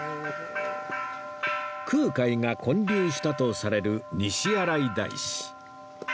空海が建立したとされる西新井大師